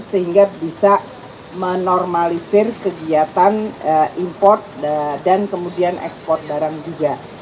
sehingga bisa menormalisir kegiatan import dan kemudian ekspor barang juga